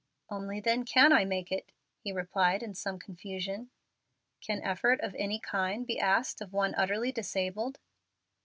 "Only then can I make it," he replied, in some confusion. "Can effort of any kind be asked of one utterly disabled?"